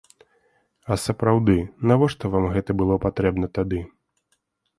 А сапраўды, навошта вам гэта было патрэбна тады?